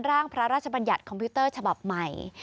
ร่างพระราชบัญญัติคอมพิวเตอร์ฉบับใหม่